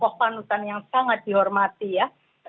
poh panutan yang sangat dihormati ya